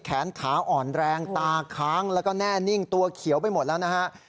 แขนขาอ่อนแรงตาค้างแล้วก็แน่นิ่งตัวเขียวไปหมดแล้วนะฮะ